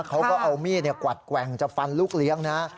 เขาก็เอามีดกวัดแกว่งจะฟันลูกเลี้ยงนะ